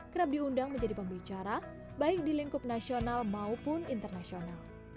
kerap diundang menjadi pembicara baik di lingkup nasional maupun internasional